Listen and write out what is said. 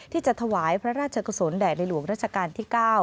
ที่จะถวายพระราชกุศลแด่ในหลวงราชการที่๙